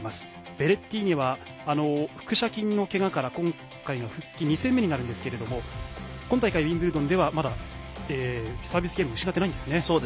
ベレッティーニは腹斜筋のけがから今回が復帰２戦目ですが今大会のウィンブルドンではまだサービスゲームを失ってないんですね。